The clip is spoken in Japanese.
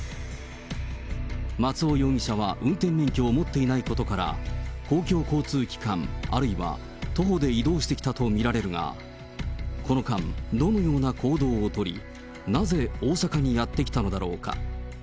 松尾容疑者は運転免許を持っていないことから、公共交通機関、あるいは徒歩で移動してきたと見られるが、この間、どのような行動を取り、なぜ大阪にやって来たのだろうか。